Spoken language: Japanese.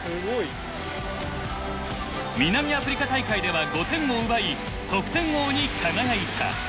南アフリカ大会では５点を奪い得点王に輝いた。